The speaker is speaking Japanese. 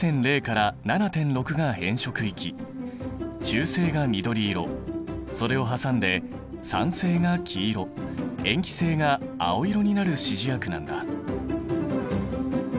中性が緑色それを挟んで酸性が黄色塩基性が青色になる指示薬なんだ。